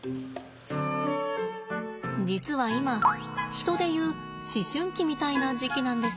実は今人でいう思春期みたいな時期なんです。